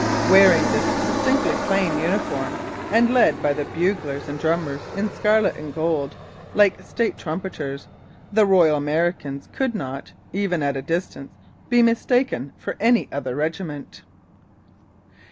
Wearing this distinctively plain uniform, and led by their buglers and drummers in scarlet and gold, like state trumpeters, the Royal Americans could not, even at a distance, be mistaken for any other regiment.